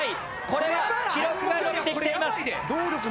これは記録がのびてきています。